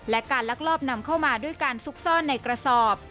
และการลักลอบนำเข้ามาด้วยการซุกซ่อนในกระสอบ